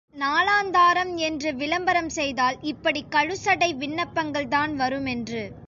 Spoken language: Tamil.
நாலாந்தாரம் என்று விளம்பரம் செய்தால் இப்படிக் கழுசடை விண்ணப்பங்கள்தான் வருமென்று.